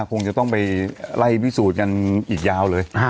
คงจะต้องไปไล่พิสูจน์กันอีกยาวเลย